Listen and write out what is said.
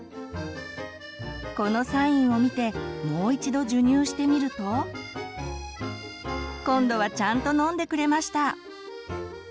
このサインを見てもう一度授乳してみると今度はちゃんと飲んでくれました！